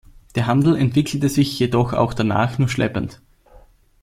Der Handel entwickelte sich jedoch auch danach nur schleppend.